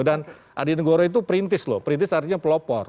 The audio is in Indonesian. dan adi negoro itu perintis loh perintis artinya pelopor